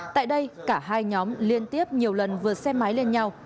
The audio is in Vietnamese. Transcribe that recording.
tại đây cả hai nhóm liên tiếp nhiều lần vượt xe máy lên nhau